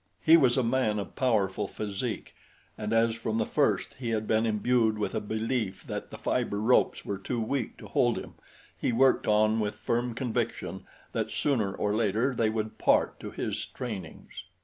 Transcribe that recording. He was a man of powerful physique, and as from the first he had been imbued with a belief that the fiber ropes were too weak to hold him, he worked on with a firm conviction that sooner or later they would part to his strainings.